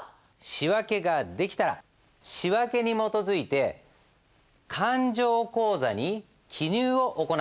仕訳ができたら仕訳に基づいて勘定口座に記入を行っていきます。